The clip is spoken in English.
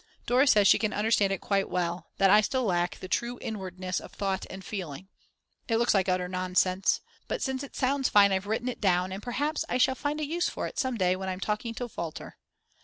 Dora says she can understand it quite well; that I still lack the true inwardness of thought and feeling. It looks like utter nonsense. But since it sounds fine I've written it down, and perhaps I shall find a use for it some day when I'm talking to Walter.